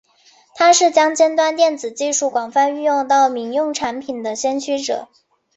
他是将尖端电子技术广泛运用到民用产品的先驱者。